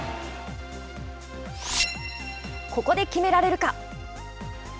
ここで決められるか。